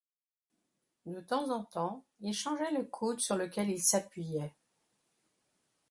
De temps en temps il changeait le coude sur lequel il s'appuyait.